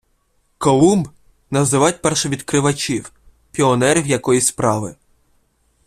Колумб - називають першовідкривачів, піонерів якоїсь справи